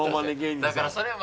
だからそれは。